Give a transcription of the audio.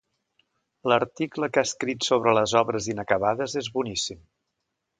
L'article que ha escrit sobre les obres inacabades és boníssim.